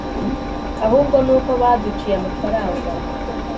ahubwo nuko baduciye amafaranga